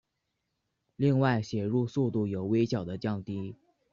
另外写入速度有微小的降低。